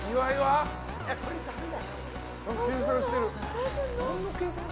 何か計算してる。